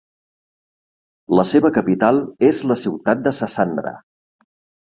La seva capital és la ciutat de Sassandra.